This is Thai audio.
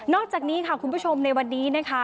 อกจากนี้ค่ะคุณผู้ชมในวันนี้นะคะ